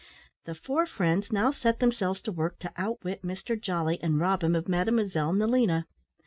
The four friends now set themselves to work to outwit Mr Jolly, and rob him of Mademoiselle Nelina.